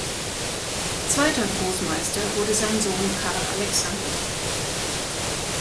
Zweiter Großmeister wurde sein Sohn Karl Alexander.